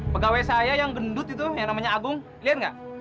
pegawai saya yang gendut itu yang namanya agung lihat nggak